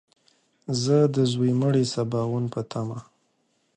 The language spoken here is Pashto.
زه د ځوی مړي سباوون په تمه !